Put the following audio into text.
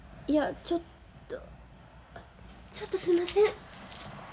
いやちょっとちょっとすんません。